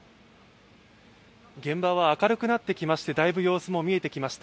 現場は明るくなってきまして、だいぶ様子も見えてきました。